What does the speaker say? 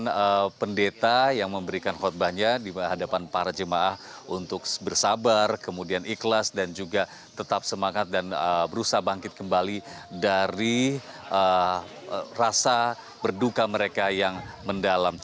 dengan pendeta yang memberikan khutbahnya di hadapan para jemaah untuk bersabar kemudian ikhlas dan juga tetap semangat dan berusaha bangkit kembali dari rasa berduka mereka yang mendalam